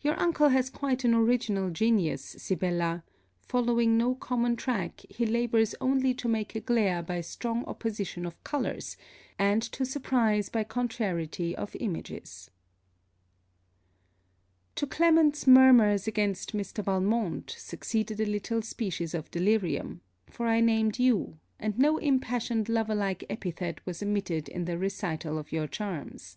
Your uncle has quite an original genius, Sibella; following no common track, he labours only to make a glare by strong opposition of colours, and to surprise by contrariety of images. To Clement's murmurs against Mr. Valmont, succeeded a little species of delirium: for I named you, and no impassioned lover like epithet was omitted in the recital of your charms.